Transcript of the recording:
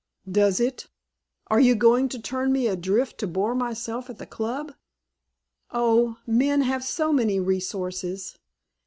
"Does it? Are you going to turn me adrift to bore myself at the Club?" "Oh, men have so many resources!